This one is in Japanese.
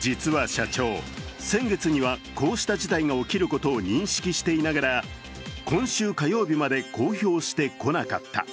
実は社長、先月にはこうした事態が起きることを認識していながら今週火曜日まで公表してこなかった。